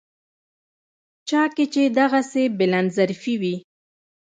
چا کې چې دغسې بلندظرفي وي.